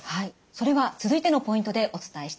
それは続いてのポイントでお伝えしていきます。